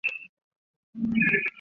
不再独自徬惶